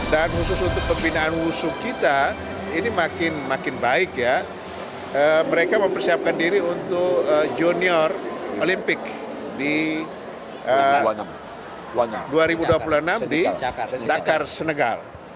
dan khusus untuk pembinaan wusu kita ini makin baik ya mereka mempersiapkan diri untuk junior olimpik di dua ribu dua puluh enam di dakar senegal